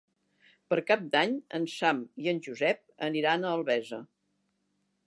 Per Cap d'Any en Sam i en Josep aniran a Albesa.